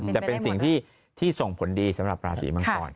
แต่เป็นสิ่งที่ส่งผลดีสำหรับราศีมังกร